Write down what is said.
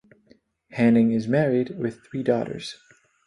Hanning is married with three daughters.